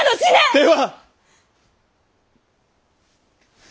では。